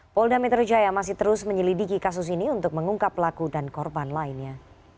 polda metro jaya masih terus menyelidiki kasus ini untuk mengungkap pelaku dan korban lainnya